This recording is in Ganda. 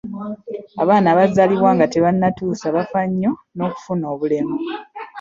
Abaana abazalibwa nga tebannatuusa bafa nnyo n'okufuna obulemu.